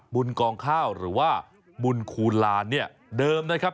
กองข้าวหรือว่าบุญคูณลานเนี่ยเดิมนะครับ